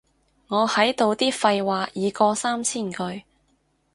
我喺度啲廢話已過三千句